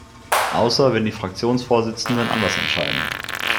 Außer wenn die Fraktionsvorsitzenden anders entscheiden.